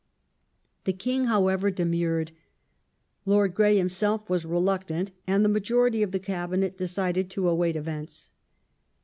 ^ The King, however, demurred ; Lord Grey himself was reluctant, and the majority of the Cabinet decided to await events.